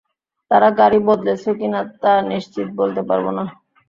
তারা গাড়ি বদলেছে কিনা তা নিশ্চিত বলতে পারবো না।